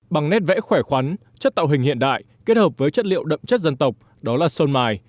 bằng nét vẽ khỏe khoắn chất tạo hình hiện đại kết hợp với chất liệu đậm chất dân tộc đó là sơn mài